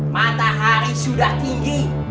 matahari sudah tinggi